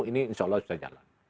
ini insya allah bisa jalan